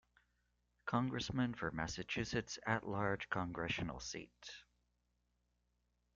Congressman for Massachusetts's at-large congressional seat.